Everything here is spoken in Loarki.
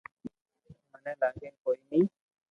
مني لاگي ڪوئي ني